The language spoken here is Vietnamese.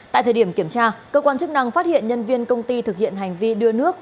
tại thời điểm kiểm tra cơ quan chức năng phát hiện nhân viên công ty thực hiện hành vi đưa nước